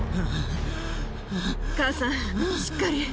母さん、しっかり。